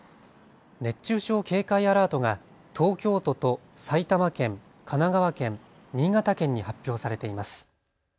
熱中症警戒アラートが東京都と埼玉県、神奈川県、新潟県に発表されています。